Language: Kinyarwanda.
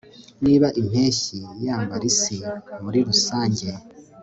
niba impeshyi yambara isi muri rusange